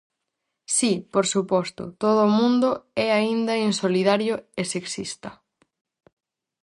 Si, por suposto, todo o mundo é aínda insolidario e sexista.